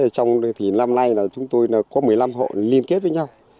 trong năm nay là chúng tôi có một mươi năm hộ liên kết với nhau